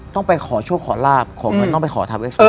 ต้องไปขอโชคขอลาบขอเงินต้องไปขอทาเวสวร